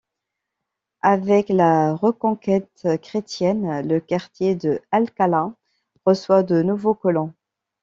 Avec la reconquête chrétienne, le quartier de Alcalá, reçoit de nouveaux colons.